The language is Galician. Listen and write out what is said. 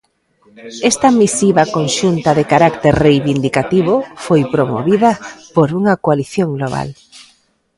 Esta misiva conxunta de carácter reivindicativo foi promovida por unha coalición global.